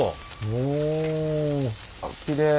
おきれい。